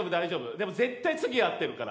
でも絶対次合ってるから。